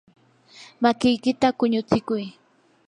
makiykita quñutsikuy.